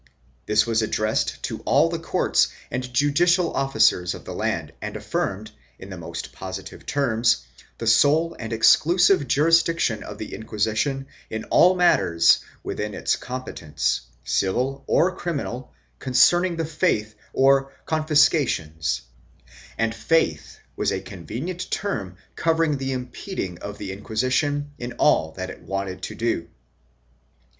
This was addressed to all the courts and judicial officers of the land and affirmed, in the most positive terms, the sole and exclusive jurisdiction of the Inquisition in all matters within its competence, civil or criminal, concerning the faith or confiscations — and faith was a convenient term cover ing the impeding of the Inquisition in all that it wanted to do.